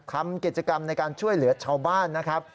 ทำกิจกรรมในการช่วยเหลือชาวบ้านนะครับ